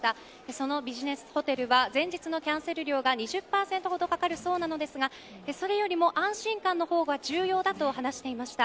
そのビジネスホテルは前日のキャンセル料が２０％ほどかかるそうなのですがそれよりも安心感の方が重要だと話していました。